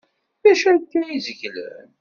D acu akka ay zeglen?